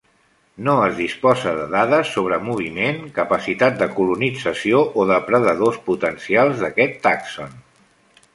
No es disposa de dades sobre moviment, capacitat de colonització o depredadors potencials d'aquest tàxon.